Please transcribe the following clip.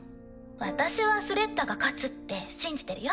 私はスレッタが勝つって信じてるよ。